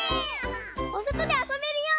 おそとであそべるよ！